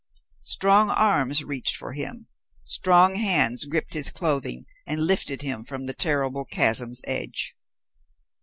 Strong arms reached for him. Strong hands gripped his clothing and lifted him from the terrible chasm's edge.